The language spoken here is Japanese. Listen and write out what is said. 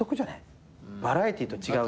バラエティーと違う。